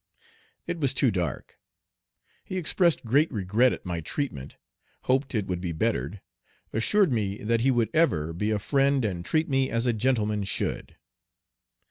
It was too dark. He expressed great regret at my treatment, hoped it would be bettered, assured me that he would ever be a friend and treat me as a gentleman should.